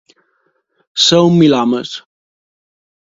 Ser un milhomes.